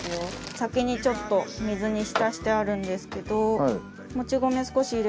先にちょっとお水に浸してあるんですけど。